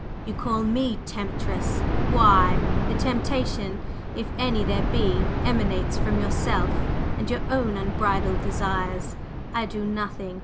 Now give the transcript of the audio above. You call me 'temptress'; why? The temptation, if any there be, emanates from yourself and your own unbridled desires; I do nothing.